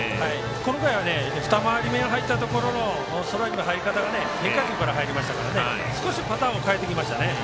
この回は２回り目に入ったところのストライクの入り方が変化球から入りましたから少しパターンを変えてきましたね。